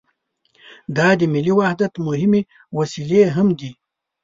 دا د ملي وحدت مهمې وسیلې هم دي.